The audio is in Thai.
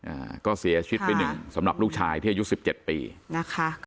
อ่าก็เสียชีวิตไปหนึ่งสำหรับลูกชายที่อายุสิบเจ็ดปีนะคะ